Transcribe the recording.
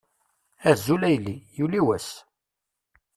Azul a yelli, yuli wass!